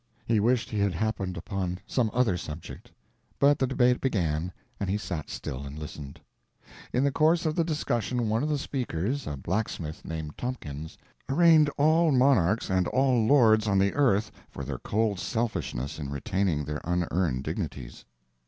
He wished he had happened upon some other subject. But the debate began, and he sat still and listened. In the course of the discussion one of the speakers—a blacksmith named Tompkins arraigned all monarchs and all lords in the earth for their cold selfishness in retaining their unearned dignities.